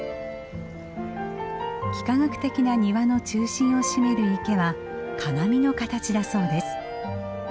幾何学的な庭の中心を占める池は鏡の形だそうです。